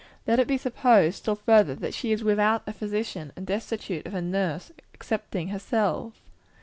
Let it be supposed, still further, that she is without a physician, and destitute of a nurse, excepting herself.